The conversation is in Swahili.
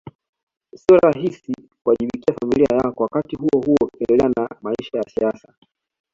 Sio rahisi kuwajibikia familia yako wakati huohuo ukiendelea na maisha ya siasa